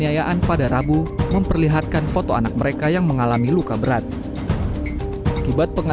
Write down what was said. istilah pokok kabupaten